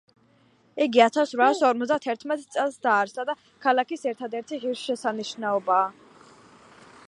იგი ათასრვაასორმოცდათერტმეტი წელს დაარსდა და ქალაქის ერთერთი ღირსშესანიშნაობაა